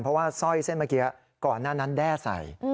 เพราะว่าสร้อยเส้นเมื่อกี้ก่อนหน้านั้นแด้ใส่